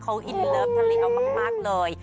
เขาอินเลิฟทะเลเอามากเลย